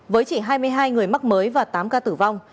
với chỉ hai mươi hai người mắc mới và tám ca tử vong